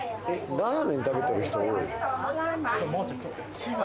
ラーメン食べてる人多いすごっ